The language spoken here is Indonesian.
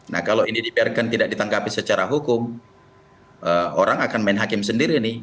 nah kalau ini dibiarkan tidak ditangkapi secara hukum orang akan main hakim sendiri nih